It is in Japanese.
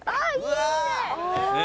「うわ！」